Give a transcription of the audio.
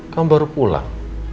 kamu baru pulang